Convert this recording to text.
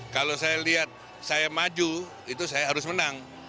kalau saya lihat saya maju itu saya harus menang